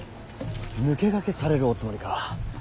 抜け駆けされるおつもりか。